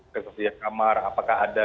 dari pejabat kamar apakah ada